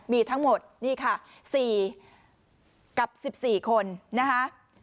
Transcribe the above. มีทั้งหมดนี่ค่ะ๔กับ๑๔คนนะคะ